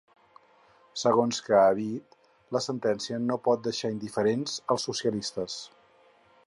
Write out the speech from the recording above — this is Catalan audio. Segons que ha dit, la sentència ‘no pot deixar indiferents als socialistes’.